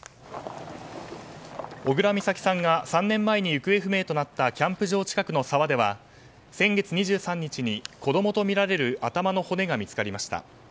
小倉美咲さんが３年前に行方不明となったキャンプ場近くの沢では先月２３日に子供とみられる頭の骨が見つかりました。